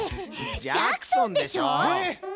ジャクソンでしょ。